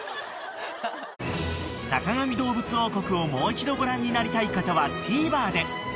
［『坂上どうぶつ王国』をもう一度ご覧になりたい方はＴＶｅｒで］